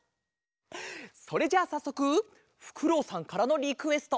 それじゃあさっそくふくろうさんからのリクエスト。